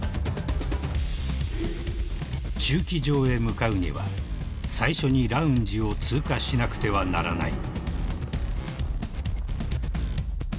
［駐機場へ向かうには最初にラウンジを通過しなくてはならない］